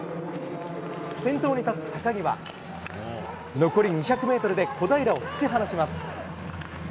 先頭に立つ高木は残り２００ｍで小平を突き放します。